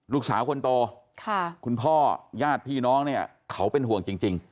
ลูกสาวคนโตคุณพ่อญาติพี่น้องเนี่ยเขาเป็นห่วงจริง